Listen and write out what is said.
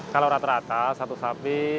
kalau rata rata satu sapi